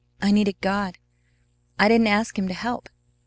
I needed God. I didn't ask Him to help.